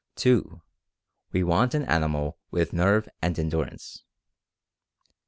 "(2) We want an animal with nerve and endurance.